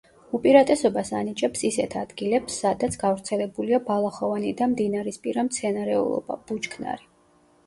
უპირატესობას ანიჭებს ისეთ ადგილებს, სადაც გავრცელებულია ბალახოვანი და მდინარისპირა მცენარეულობა, ბუჩქნარი.